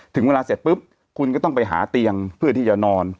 ถึงเวลาเสร็จปุ๊บคุณก็ต้องไปหาเตียงเพื่อที่จะนอน